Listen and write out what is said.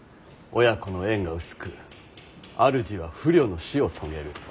親子の縁が薄く主は不慮の死を遂げる。